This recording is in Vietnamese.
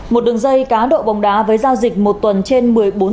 một đường dây cá độ bóng đá với gia dịch một tuần trên một mươi bốn tuần